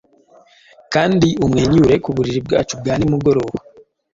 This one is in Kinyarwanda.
kandi umwenyure ku buriri bwacu bwa nimugoroba!